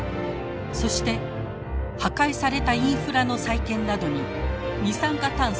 そして破壊されたインフラの再建などに二酸化炭素